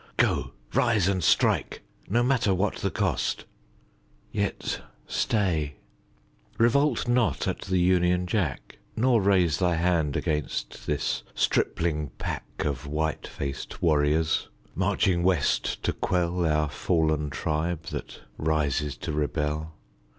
Go; rise and strike, no matter what the cost. Yet stay. Revolt not at the Union Jack, Nor raise Thy hand against this stripling pack Of white faced warriors, marching West to quell Our fallen tribe that rises to rebel.